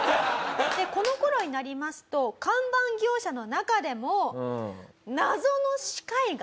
この頃になりますと看板業者の中でも。